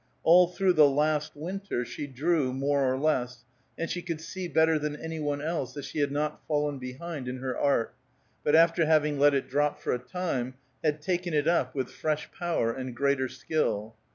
All through the last winter she drew, more or less, and she could see better than any one else that she had not fallen behind in her art, but after having let it drop for a time, had taken it up with fresh power and greater skill.